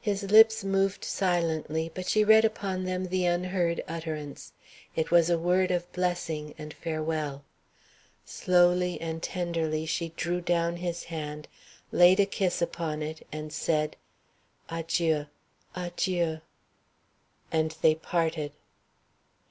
His lips moved silently, but she read upon them the unheard utterance: it was a word of blessing and farewell. Slowly and tenderly she drew down his hand, laid a kiss upon it, and said, "Adjieu adjieu," and they parted.